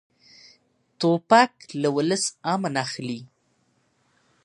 توپک له ولس امن اخلي.